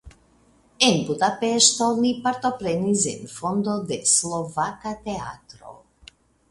En Budapeŝto li partoprenis en fondo de slovaka teatro.